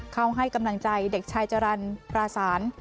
ให้กำลังใจเด็กชายจรรย์ปราสาน